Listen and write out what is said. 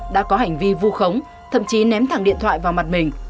đã có hành vi vu khống thậm chí ném thẳng điện thoại vào mặt mình